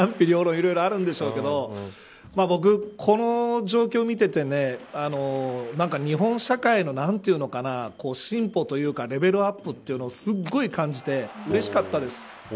いろいろあるんでしょうけど僕、この状況を見ていてね日本社会の、何ていうのかな進歩というかレベルアップというのは、すごい感じてうれしかったです。